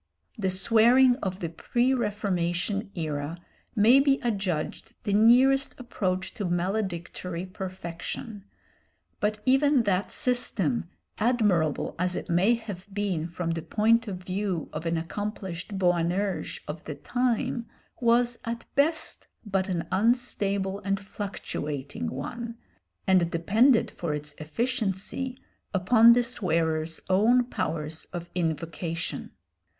The swearing of the pre Reformation era may be adjudged the nearest approach to maledictory perfection, but even that system, admirable as it may have been from the point of view of an accomplished Boanerges of the time, was at best but an unstable and fluctuating one, and depended for its efficiency upon the swearer's own powers of invocation.